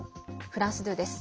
フランス２です。